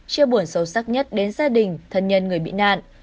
chia buồn sâu sắc nhất đến gia đình thân nhân người bị nạn